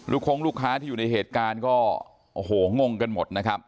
คงลูกค้าที่อยู่ในเหตุการณ์ก็โอ้โหงงกันหมดนะครับ